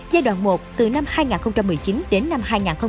giai đoạn một từ năm hai nghìn một mươi chín đến năm hai nghìn hai mươi